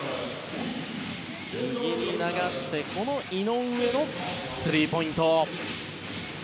右に流してこの井上のスリーポイント。